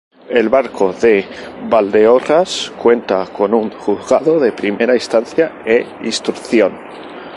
El Barco de Valdeorras cuenta con un Juzgado de Primera Instancia e Instrucción.